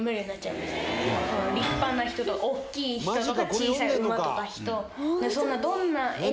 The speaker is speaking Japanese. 立派な人とか大きい人とか小さい馬とか人。